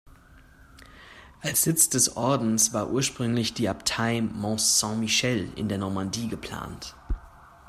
Als Sitz des Ordens war ursprünglich die Abtei Mont-Saint-Michel in der Normandie geplant.